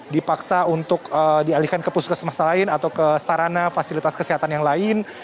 dipaksa untuk dialihkan ke puskesmas lain atau ke sarana fasilitas kesehatan yang lain